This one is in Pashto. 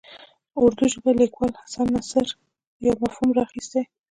اردو ژبي لیکوال حسن نثار یو مفهوم راخیستی.